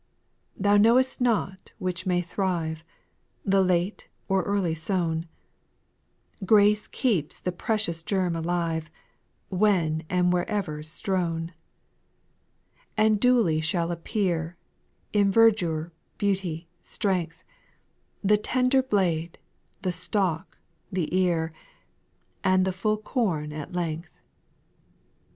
4, Thou know'st not which may thrive, The late or early sown ; Grace keeps the precious germ alive, When and wlierever strown ; SPIRITUAL SONGS, 99 5. And duly shall appear, In verdure, beauty, strength, The tender blade, the stalk, the ear, And the full corn at length.